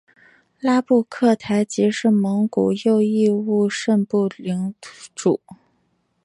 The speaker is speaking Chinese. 拉布克台吉是蒙古右翼兀慎部领主。